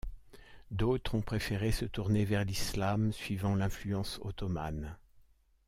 D’autres ont préféré se tourner vers l’islam, suivant l’influence ottomane.